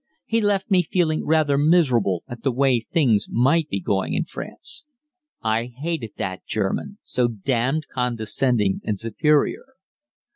He left me feeling rather miserable at the way things might be going in France. I hated that German, so damned condescending and superior.